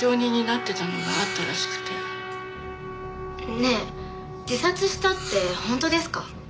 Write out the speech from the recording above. ねえ自殺したって本当ですか？